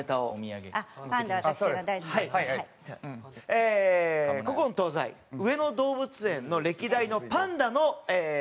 え古今東西上野動物園の歴代のパンダの名前。